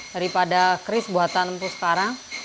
daripada keris buatan empu sekarang